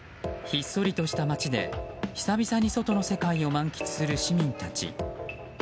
ひっそりとした街で久々に外の世界を満喫する市民たち。